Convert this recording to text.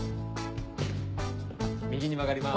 右に曲がります。